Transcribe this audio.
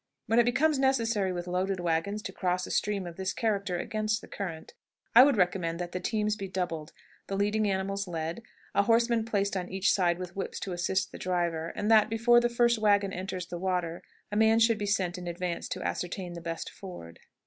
When it becomes necessary, with loaded wagons, to cross a stream of this character against the current, I would recommend that the teams be doubled, the leading animals led, a horseman placed on each side with whips to assist the driver, and that, before the first wagon enters the water, a man should be sent in advance to ascertain the best ford.